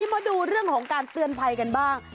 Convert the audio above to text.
มาดูเรื่องของการเตือนภัยกันบ้าง